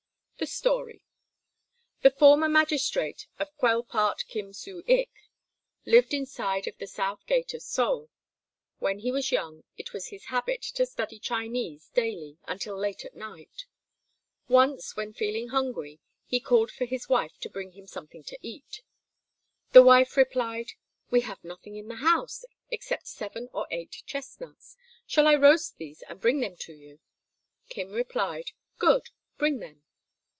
] The Story The former magistrate of Quelpart, Kim Su ik, lived inside of the South Gate of Seoul. When he was young it was his habit to study Chinese daily until late at night. Once, when feeling hungry, he called for his wife to bring him something to eat. The wife replied, "We have nothing in the house except seven or eight chestnuts. Shall I roast these and bring them to you?" Kim replied, "Good; bring them."